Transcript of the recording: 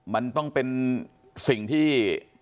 มันต้องเป็นสิ่งที่